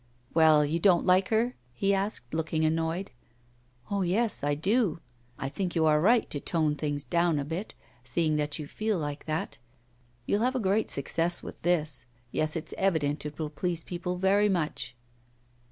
'Well, you don't like her?' he asked, looking annoyed. 'Oh, yes, I do! I think you are right to tone things down a bit, seeing that you feel like that. You'll have a great success with this. Yes, it's evident it will please people very much.